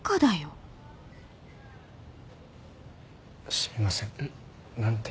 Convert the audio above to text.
すみません何て？